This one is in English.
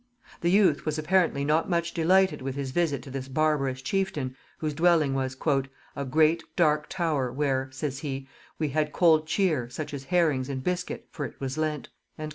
The youth was apparently not much delighted with his visit to this barbarous chieftain, whose dwelling was "a great dark tower, where," says he, "we had cold cheer, such as herrings and biscuit, for it was Lent."